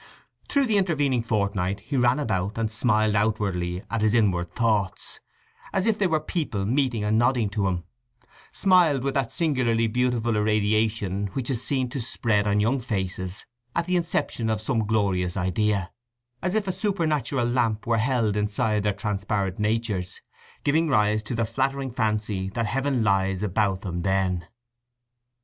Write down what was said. Through the intervening fortnight he ran about and smiled outwardly at his inward thoughts, as if they were people meeting and nodding to him—smiled with that singularly beautiful irradiation which is seen to spread on young faces at the inception of some glorious idea, as if a supernatural lamp were held inside their transparent natures, giving rise to the flattering fancy that heaven lies about them then.